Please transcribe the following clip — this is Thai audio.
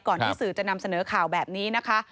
ที่สื่อจะนำเสนอข่าวแบบนี้นะคะ